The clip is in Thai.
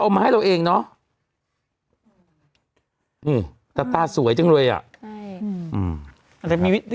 มาให้เราเองเนอะอืมแต่ตาสวยจังเลยอ่ะใช่อืมอาจจะมีวิธี